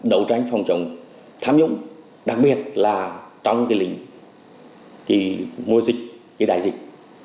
đó là đấu tranh phòng chống tham nhũng đặc biệt là trong lĩnh mô dịch đại dịch